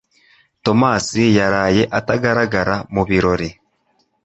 Tomasi yaraye atagaragara mu birori